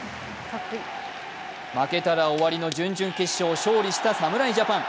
負けたら終わりの準々決勝、勝利した侍ジャパン。